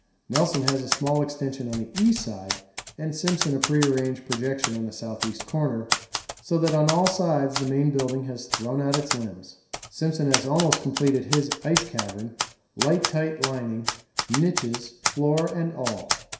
Nelson has a small extension on the east side and Simpson a prearranged projection on the S.E. corner, so that on all sides the main building has thrown out limbs. Simpson has almost completed his ice cavern, light tight lining, niches, floor and all.